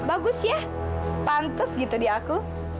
bagus ya pantas gitu dia aku